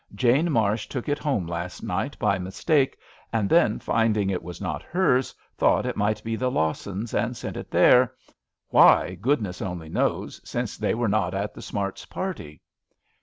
Jane Marsh took it home last night by mistake, and then, finding it was not hers, thought it might be the Lawsons, and sen'^ it there — why, goodness only knows, since they were not at the Smarts' party."